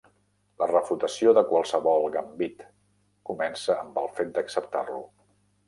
La refutació de qualsevol gambit comença amb el fet d'acceptar-lo.